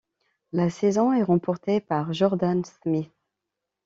La saison est remportée par Jordan Smith.